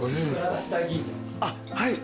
あっはい。